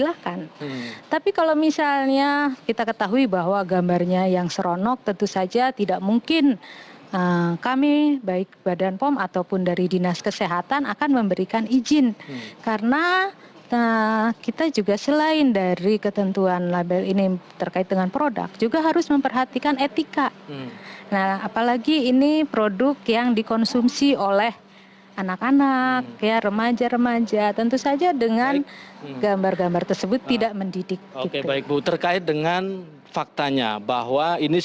badan pengawasan obat dan makanan bepom mengeluarkan rilis hasil penggerbekan tempat produksi bihun berdesain bikini